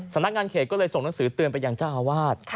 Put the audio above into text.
สำนักงานเขตก็เลยส่งหนังสือเตือนไปยังเจ้าอาวาส